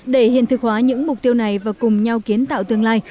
để hiện thực hóa những mục tiêu này và cùng nhau kiến tạo tương lai